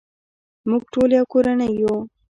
موږ ټول یو کورنۍ یو.